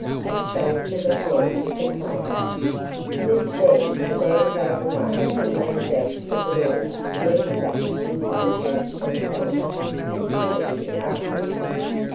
It fell to the floor with a clang. Just then the man broke away and made a dash for the door leading back into the church itself, with Kennedy after him.